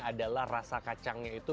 adalah rasa kacangnya itu